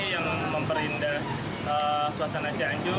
yang memperindah suasana cianjur